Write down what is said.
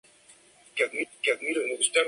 Es casi siempre visto sonriendo misteriosamente.